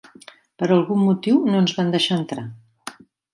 Per algun motiu no ens van deixar entrar.